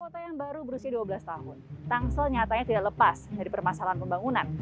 kota yang baru berusia dua belas tahun tangsel nyatanya tidak lepas dari permasalahan pembangunan